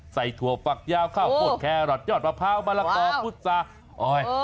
ใส่ถั่วฟักยาวข้าวโพดแครอทยอดประพราวมาลักษณ์พุทธศาสตร์